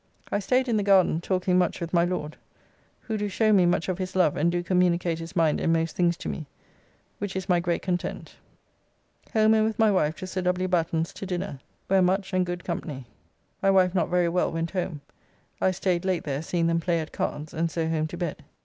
I staid in the garden talking much with my Lord, who do show me much of his love and do communicate his mind in most things to me, which is my great content. Home and with my wife to Sir W. Batten's to dinner, where much and good company. My wife not very well went home, I staid late there seeing them play at cards, and so home to bed.